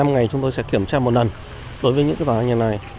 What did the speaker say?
một mươi năm ngày chúng tôi sẽ kiểm tra một lần đối với những tòa nhà này